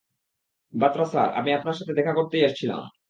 Batra sir, আমি আপনার সাথে দেখা করতেই আসছিলাম।